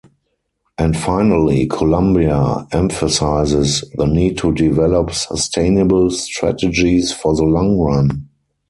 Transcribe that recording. And finally, Columbia emphasizes the need to develop sustainable strategies for the long run.